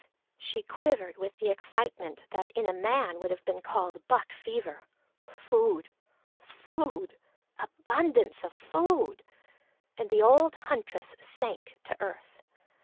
She quivered with the excitement that in a man would have been called buck fever. Food food abundance of food, and the old huntress sank to earth.